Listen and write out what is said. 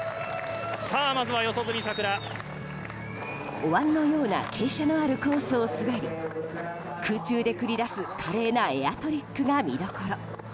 お椀のような傾斜のあるコースを滑り空中で繰り出す華麗なエアトリックが見どころ。